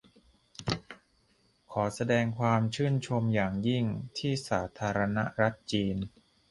ขอแสดงความชื่นชมอย่างยิ่งที่สาธารณรัฐจีน